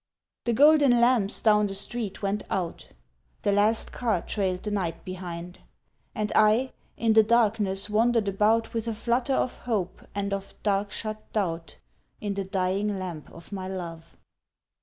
The golden lamps down the street went out, The last car trailed the night behind; And I in the darkness wandered about With a flutter of hope and of dark shut doubt In the dying lamp of my love.